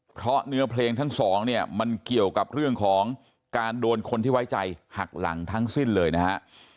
เพราะเนื้อเพลงทั้งสองเนี่ยมันเกี่ยวกับเรื่องของการโดนคนที่ไว้ใจหักหลังทั้งสิ้นเลยนะฮะ